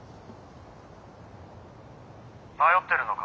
迷ってるのか？